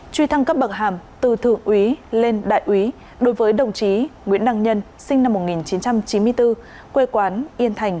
truy thăng cấp bậc hàm từ thượng úy lên đại úy đối với đồng chí nguyễn năng nhân sinh năm một nghìn chín trăm chín mươi bốn quê quán yên thành